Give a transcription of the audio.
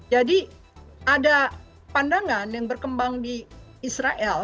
jadi ada pandangan yang berkembang di israel